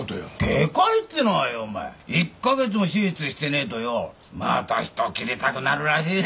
外科医ってのはよお前一か月も手術してねえとよまた人を切りたくなるらしいぜおい。